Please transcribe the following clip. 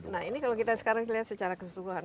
nah ini kalau kita sekarang lihat secara keseluruhan